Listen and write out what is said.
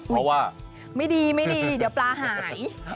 เพราะว่าไม่ดีไม่ดีเดี๋ยวปลาหาย